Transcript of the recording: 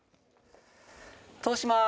通します。